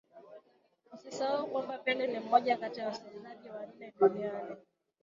Usisahau kwamba Pele ni mmoja kati ya wachezaji wanne duniani